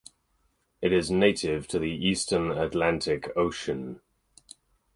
It is native to the eastern Atlantic Ocean.